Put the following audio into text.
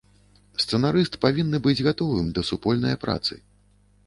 Сцэнарыст павінны быць гатовым да супольнае працы.